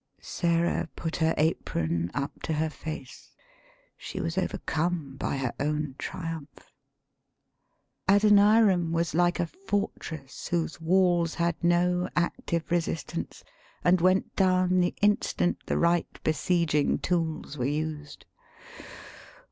Sarah put her apron up to her face; she was overcome by her own triumph. Adoniram was like a fortress whose walls had no active resistance, and went down the instant the right besieging tools were used.